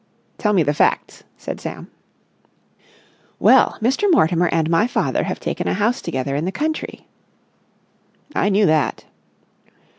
_" "Tell me the facts," said Sam. "Well, Mr. Mortimer and my father have taken a house together in the country...." "I knew that."